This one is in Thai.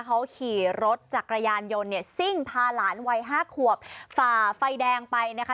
เขาขี่รถจักรยานยนต์เนี่ยซิ่งพาหลานวัยห้าขวบฝ่าไฟแดงไปนะคะ